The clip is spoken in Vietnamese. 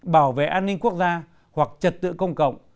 bảo vệ an ninh quốc gia hoặc trật tự công cộng